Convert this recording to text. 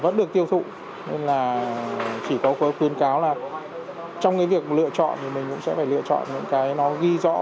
vẫn được tiêu thụ nên là chỉ có khuyến cáo là trong cái việc lựa chọn thì mình cũng sẽ phải lựa chọn những cái nó ghi rõ